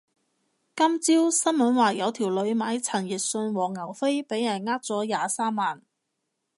今朝新聞話有條女買陳奕迅黃牛飛俾人呃咗廿三萬